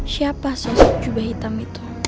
siapa sosok jubah hitam itu